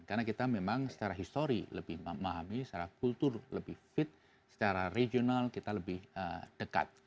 karena kita memang secara histori lebih memahami secara kultur lebih fit secara regional kita lebih dekat